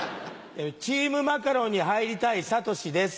チームマカロンに入りたいサトシです」。